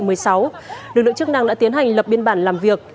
lực lượng chức năng đã tiến hành lập biên bản làm việc